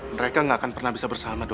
mereka gak akan pernah bisa bersama dulu